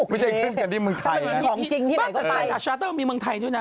เพราะไง